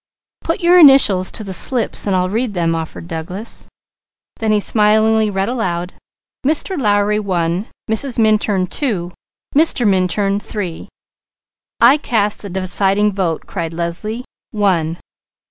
"Put your initials to the slips and I'll read them," offered Douglas. Then he smilingly read aloud: "Mr. Lowry, one. Mrs. Minturn, two. Mr. Minturn, three!" "I cast the deciding vote," cried Leslie. "One!"